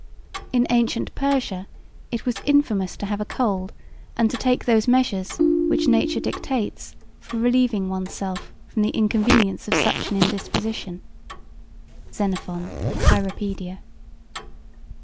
J.B.) in antient Persia it was infamous to have a cold and to take those measures which nature dictates for relieving oneself from the inconvenience of such an indisposition. (Xenophon, cyropaedia.